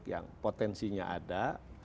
yang potensinya ada